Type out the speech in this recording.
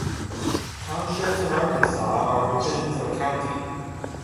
Townships in Arkansas are the divisions of a county.